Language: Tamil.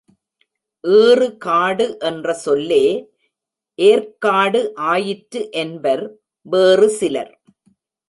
ஏறுகாடு என்ற சொல்லே, ஏர்க்காடு ஆயிற்று என்பர் வேறு சிலர்.